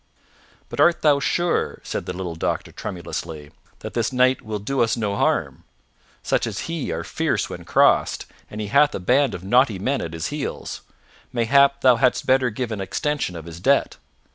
"But art thou sure," said the little doctor tremulously, "that this knight will do us no harm? Such as he are fierce when crossed, and he hath a band of naughty men at his heels. Mayhap thou hadst better give an extension of his debt."